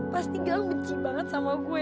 pasti gaung benci banget sama gue